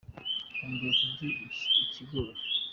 Nkumbuye kurya ikigori.